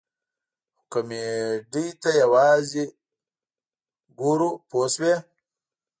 خو کمیډۍ ته یوازې ګورو پوه شوې!.